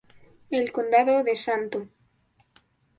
El Condado de St.